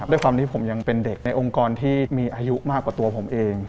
ด้วยความที่ผมยังเป็นเด็กในองค์กรที่มีอายุมากกว่าตัวผมเอง